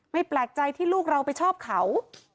แปลกใจที่ลูกเราไปชอบเขา